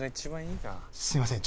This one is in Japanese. すみません